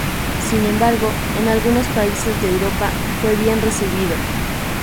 Sin embargo, en algunos países de Europa fue bien recibido.